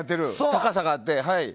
高さがあって。